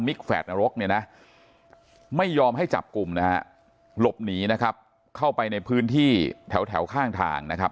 แฝดนรกเนี่ยนะไม่ยอมให้จับกลุ่มนะฮะหลบหนีนะครับเข้าไปในพื้นที่แถวข้างทางนะครับ